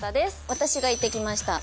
私が行ってきました。